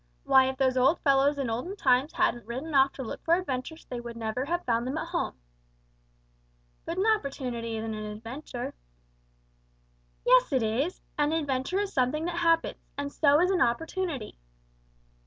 Why if those old fellows in olden times hadn't ridden off to look for adventures they would never have found them at home." "But an opportunity isn't an adventure." "Yes, it is, you stupid! An adventure is something that happens, and so is an opportunity."